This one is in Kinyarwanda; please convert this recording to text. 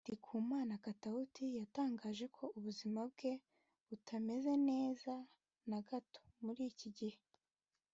Ndikumana Katauti yatangaje ko ubuzima bwe butameze neza na gato muri iki gihe